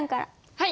はい。